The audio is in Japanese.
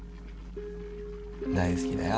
大好きだよ